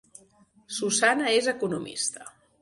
Susana és economista